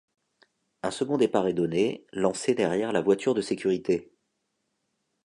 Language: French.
Un second départ est donné, lancé derrière la voiture de sécurité.